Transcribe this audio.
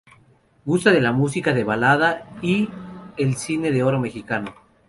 Gusta de la música de balada y el Cine de Oro Mexicano.